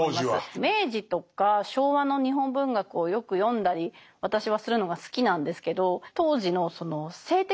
明治とか昭和の日本文学をよく読んだり私はするのが好きなんですけど当時のその性的な描写？